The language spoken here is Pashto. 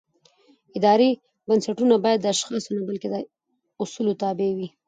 اداري بنسټونه باید د اشخاصو نه بلکې د اصولو تابع وي